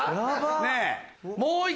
ねえ。